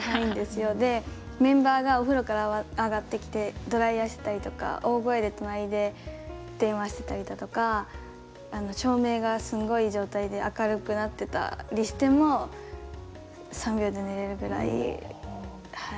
でメンバーがお風呂から上がってきてドライヤーしてたりとか大声で隣で電話してたりだとか照明がすごい状態で明るくなってたりしても３秒で寝れるぐらいはい。